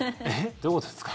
どういうことですか？